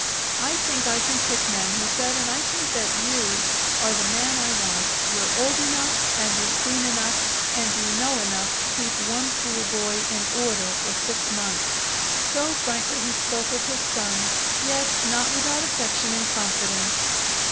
"I think I can pick men," he said, "and I think that you are the man I want. You're old enough and you've seen enough, and you know enough to keep one fool boy in order for six months." So frankly he spoke of his son, yet not without affection and confidence.